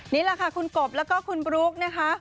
นี่แหละค่ะคุณกบแล้วก็คุณบลุ๊กนะคะ